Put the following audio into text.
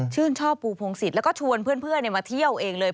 ชอบปูพงศิษย์แล้วก็ชวนเพื่อนมาเที่ยวเองเลย